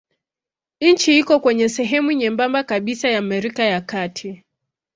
Nchi iko kwenye sehemu nyembamba kabisa ya Amerika ya Kati.